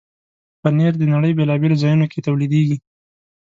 پنېر د نړۍ بیلابیلو ځایونو کې تولیدېږي.